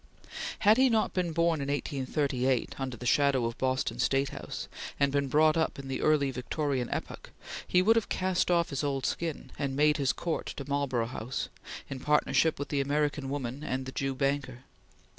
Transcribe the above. Had he not been born in 1838 under the shadow of Boston State House, and been brought up in the Early Victorian epoch, he would have cast off his old skin, and made his court to Marlborough House, in partnership with the American woman and the Jew banker.